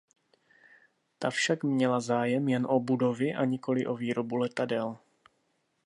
Ta však měla zájem jen o budovy a nikoli o výrobu letadel.